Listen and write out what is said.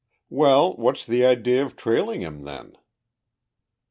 "Well, what's the idea of trailing him, then?"